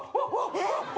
えっ？